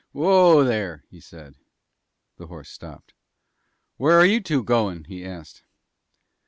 "Whoa, there," he said. The horse stopped. "Where are you two goin'?" he asked.